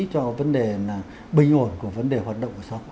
cho vấn đề bình ổn của vấn đề hoạt động của xóm